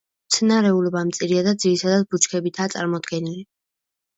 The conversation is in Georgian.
მცენარეულობა მწირია და ძირითადად ბუჩქებითაა წარმოდგენილი.